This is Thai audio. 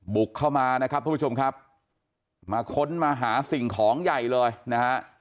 บุกเข้ามานะครับทุกผู้ชมครับมาค้นมาหาสิ่งของใหญ่เลยนะฮะ